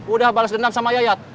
udah balas dendam sama yayat